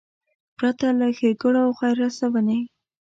پرته له ښېګړو او خیر رسونې.